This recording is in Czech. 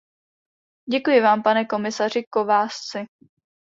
Děkuji vám, pane komisaři Kovácsi.